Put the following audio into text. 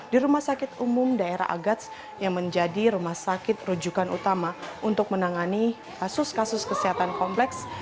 di rumah sakit umum daerah agats yang menjadi rumah sakit rujukan utama untuk menangani kasus kasus kesehatan kompleks